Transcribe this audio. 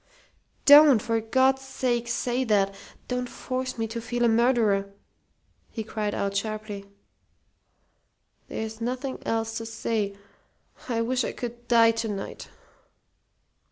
"Don't, for God's sake, say that! Don't force me to feel a murderer!" he cried out, sharply. "There's nothing else to say. I wish I could die to night."